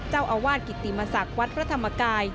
เจ้าอาวาสกิติมศักดิ์วัดพระธรรมกาย